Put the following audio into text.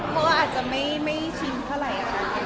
เขาอาจจะไม่ขึ้นเท่าไหร่